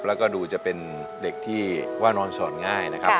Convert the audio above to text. แล้วก็ดูจะเป็นเด็กที่ว่านอนสอนง่ายนะครับ